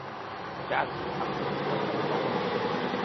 চাচি, আপনি কি বলছেন জানেন না।